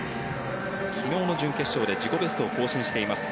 昨日の準決勝で自己ベストを更新しています